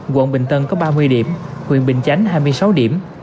quận bình tân có ba mươi điểm huyện bình chánh hai mươi sáu điểm